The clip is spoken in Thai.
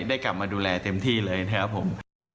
ได้กลับมาดูแลเต็มที่เลยนะครับผม